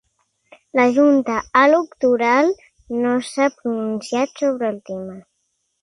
La junta electoral no s'ha pronunciat sobre el tema